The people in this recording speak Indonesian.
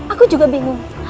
aku juga bingung